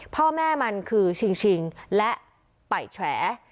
พ่อแม่มันคือชิงและป่ายแฉ